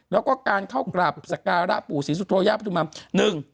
แล้วก็การเข้ากราบสการะปู่ศรีสุโธย่าปฐุมัม